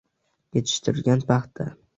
yetishtirilgan paxta